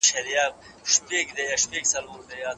قناعت تر سرو زرو ډیر ارزښت لري.